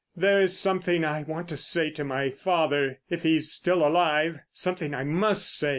"There is something I want to say to my father—if he's still alive. Something I must say.